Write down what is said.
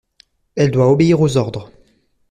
Elle doit obéir aux ordres.